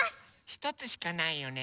ひとつしかないよね。